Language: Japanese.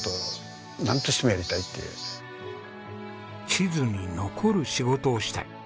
「地図に残る仕事をしたい」。